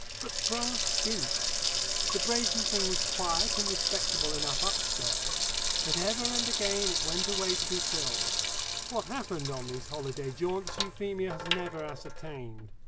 But brass dints. The brazen thing was quiet and respectable enough upstairs, but ever and again it went away to be filled. What happened on these holiday jaunts Euphemia has never ascertained.